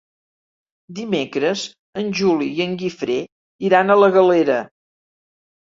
Dimecres en Juli i en Guifré iran a la Galera.